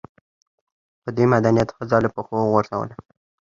خو دې مدنيت ښځه له پښو وغورځوله